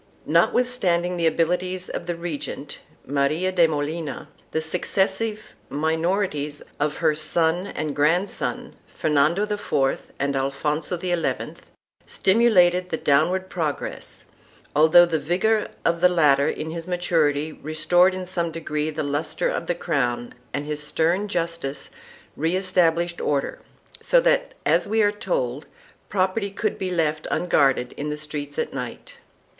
1 Notwith standing the abilities of the regent, Maria de Molina, the suc cessive minorities of her son and grandson, Fernando IV and Alfonso XI, stimulated the downward progress, although the vigor of the latter in his maturity restored in some degree the lustre of the crown and his stern justice re established order, so that, as we are told, property could be left unguarded in the streets at night.